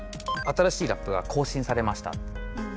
「新しいラップが更新されました」。